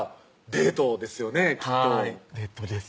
デートですよね